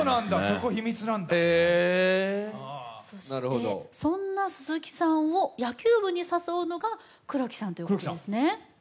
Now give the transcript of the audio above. そいて、そんな鈴木さんを野球部に誘うのが黒木さんということなんですね。